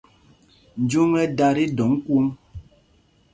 Njóŋ ɛ́ dā tí dɔ̌ŋ kwōŋ.